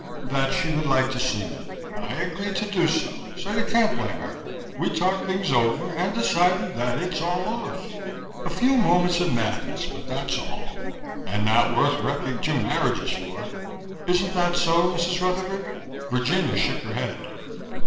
" that she would like to see me. I agreed to do so, so you can't blame her. We talked things over and decided that it's all off a few moments of madness, but that's all, and not worth wrecking two marriages for. Isn't that so, Mrs. Rutherford?" Virginia shook her head.